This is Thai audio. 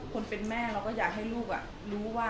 คนเป็นแม่เราก็อยากให้ลูกรู้ว่า